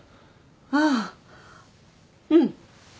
ああうん。